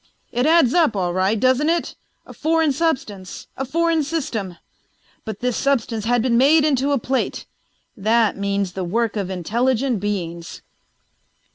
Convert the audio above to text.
"It adds up, all right, doesn't it? A foreign substance, a foreign system. But this substance had been made into a plate. That means the work of intelligent beings."